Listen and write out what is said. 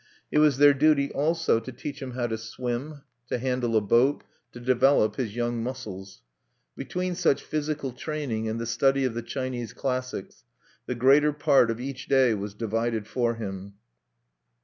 It was their duty also to teach him how to swim, to handle a boat, to develop his young muscles. Between such physical training and the study of the Chinese classics the greater part of each day was divided for him.